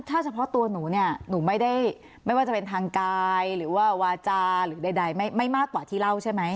ถ้าเฉพาะตัวหนูเนี่ยไม่ว่าจะเป็นทางกายหรือวาจรไม่มากกว่าที่เล่าใช่มั้ย